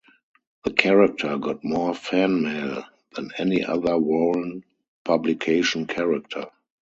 The character got more fan mail than any other Warren Publication character.